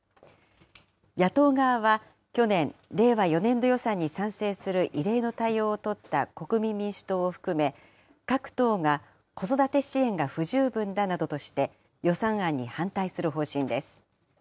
野党側は去年、令和４年度予算に賛成する異例の対応を取った国民民主党を含め、各党が子育て支援が不十分だなどとして、予算案に反対する方針です。